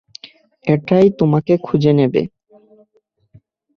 এটাই তোমাকে খুঁজে নেবে।